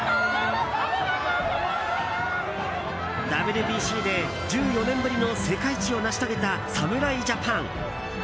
ＷＢＣで、１４年ぶりの世界一を成し遂げた侍ジャパン。